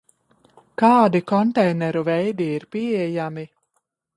Kādi konteineru veidi ir pieejami?